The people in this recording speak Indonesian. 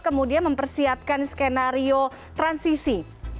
kemudian mempersiapkan skenario transisi